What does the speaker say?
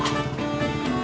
pak jadi komunikasinya